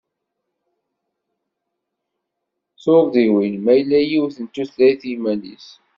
Turdiwin: Ma yella yiwet n tutlayt iman-is!